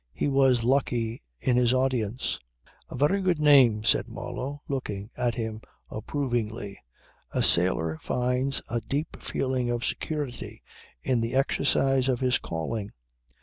He was lucky in his audience. "A very good name," said Marlow looking at him approvingly. "A sailor finds a deep feeling of security in the exercise of his calling.